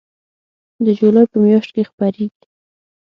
د جولای په میاشت کې خپریږي